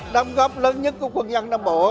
đám góp lớn nhất của quân nhân nam bộ